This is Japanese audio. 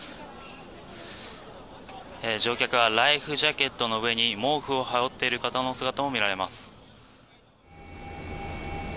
乗客はライフジャケットの上に毛布を羽織っている方の姿も見られます。